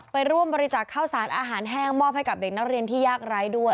ไปร่วมบริจาคข้าวสารอาหารแห้งมอบให้กับเด็กนักเรียนที่ยากไร้ด้วย